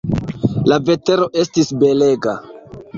La vetero estis belega.